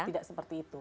tidak seperti itu